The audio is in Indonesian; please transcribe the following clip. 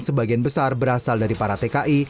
sebagian besar berasal dari para tki